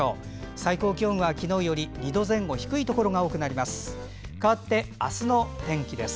最高気温は昨日より２度前後低いところが多くなります。